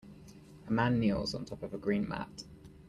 a man kneels on top of a green mat.